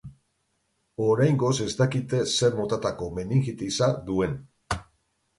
Oraingoz ez dakite zer motatako meningitisa duen.